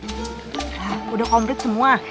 sudah komplit semua